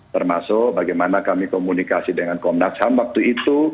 termasuk bagaimana kami komunikasi dengan komnas ham waktu itu